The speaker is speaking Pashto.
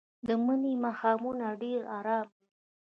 د مني ماښامونه ډېر ارام وي